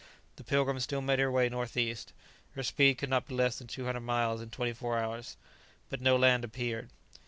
The "Pilgrim" still made her way northeast. Her speed could not be less than two hundred miles in twenty four hours. But no land appeared.